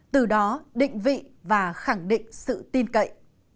từ đó định vị và khẳng định sự tin cậy